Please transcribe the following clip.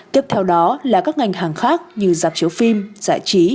tiếp theo đó là các ngành hàng khác như dạp chiếu phim giải trí